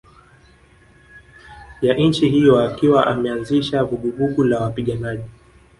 ya nchi hiyo akiwa ameanzisha vuguvugu la wapiganaji